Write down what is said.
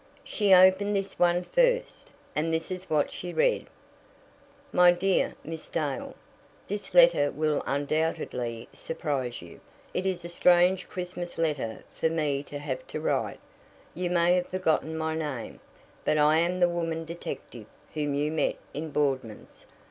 She opened this one first, and this is what she read: "MY DEAR MISS DALE This letter will undoubtedly surprise you. It is a strange Christmas letter for me to have to write. You may have forgotten my name, but I am the woman detective whom you met in Boardman's.